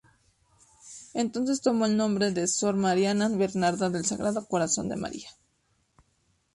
Entonces tomó el nombre de ""Sor María Bernarda del Sagrado Corazón de María"".